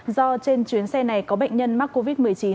do trên chuyến xe này có bệnh nhân mắc covid một mươi chín